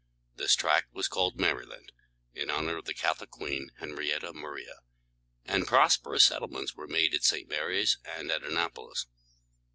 This tract was called Ma´ry land, in honor of the Catholic Queen Henrietta Maria, and prosperous settlements were made at St. Marys and at An nap´o lis.